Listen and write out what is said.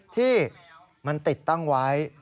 ที่มันติดตั้งไว้